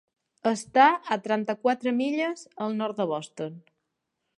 Està a trenta-quatre milles al nord de Boston.